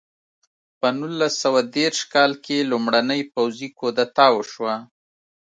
په نولس سوه دېرش کال کې لومړنۍ پوځي کودتا وشوه.